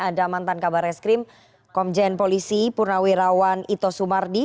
ada mantan kabarnya skrim komjen polisi purnawirawan ito sumardi